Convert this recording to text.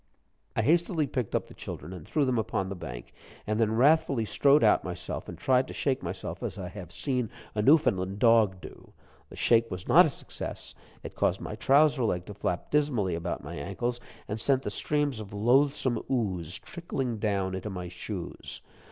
I hastily picked up the children, and threw them upon the bank, and then wrathfully strode out myself, and tried to shake myself as I have seen a Newfoundland dog do. The shake was not a success it caused my trouser leg to flap dismally about my ankles, and sent the streams of loathsome ooze trickling down into my shoes.